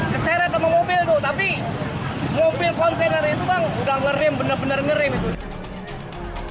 keseret sama mobil tuh tapi mobil kontainer itu bang udah ngerim bener bener ngerim itu